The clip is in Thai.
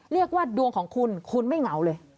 เรียกว่าดวงของคุณคุณไม่เหงาเลย